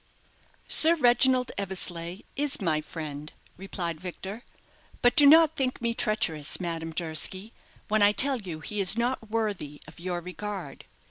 "Sir Reginald Eversleigh is my friend," replied Victor; "but do not think me treacherous, Madame Durski, when I tell you he is not worthy of your regard.